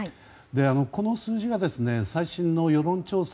この数字は、最新の世論調査